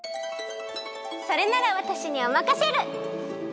それならわたしにおまかシェル！